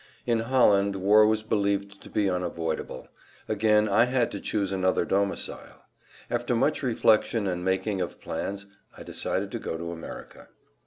In Holland war was believed to be unavoidable. Again I had to choose another domicile. After much reflection and making of plans I decided to go to America.